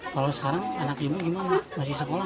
kalau sekarang anak ibu gimana masih sekolah